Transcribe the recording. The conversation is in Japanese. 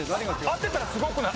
合ってたらすごくない？